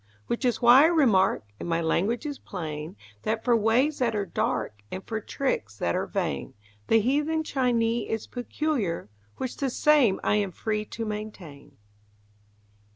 Which is why I remark And my language is plain That for ways that are dark, And for tricks that are vain, The heathen Chinee is peculiar, Which the same I am free to maintain.